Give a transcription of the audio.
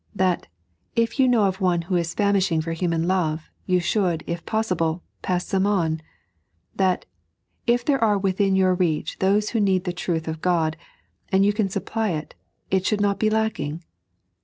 That, if you know of one who is famishing for human love, you should, if possible, pass some on i That, if there are within your reach those who need the truth of God, and you can supply it, it should not be lacking